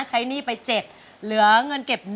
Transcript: ใช้หนี้ไปเจ็บเหลือเงินเก็บ